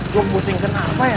gue pusing kenapa ya